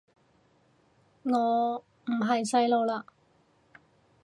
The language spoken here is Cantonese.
我唔係細路喇